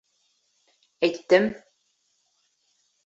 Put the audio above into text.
— Әйттем.